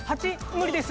無理です。